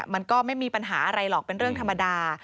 มันก็ไม่มีปัญหาอะไรหรอกเป็นเรื่องธรรมดา